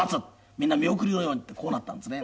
「みんな見送るように」ってこうなったんですね。